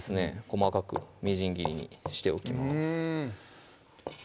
細かくみじん切りにしておきます